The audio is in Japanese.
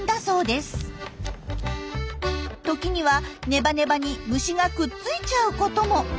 時にはネバネバに虫がくっついちゃうことも。